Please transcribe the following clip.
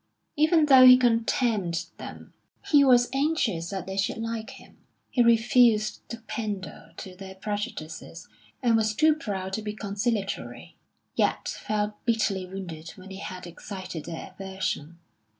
Even though he contemned them, he was anxious that they should like him. He refused to pander to their prejudices, and was too proud to be conciliatory; yet felt bitterly wounded when he had excited their aversion.